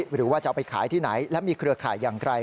หรือว่าจะเอาไปขายที่ไหนและมีเครือข่ายอย่างไร